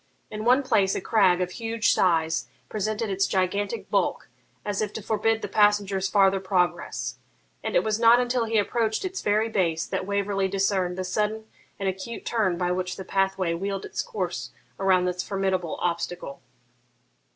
In one place a crag of huge size presented its gigantic bulk, as if to forbid the passenger's farther progress; and it was not until he approached its very base that Waverley discerned the sudden and acute turn by which the pathway wheeled its course around this formidable obstacle.